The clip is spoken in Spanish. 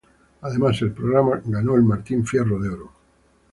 Además, el programa ganó el Martín Fierro de Oro.